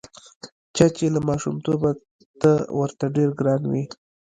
چا چې له ماشومتوبه ته ورته ډېر ګران وې.